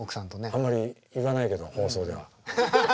あんまり言わないけど放送では。